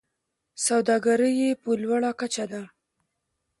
سوداګري یې په لوړه کچه ده.